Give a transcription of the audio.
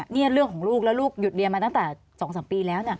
นี่เรื่องของลูกแล้วลูกหยุดเรียนมาตั้งแต่๒๓ปีแล้ว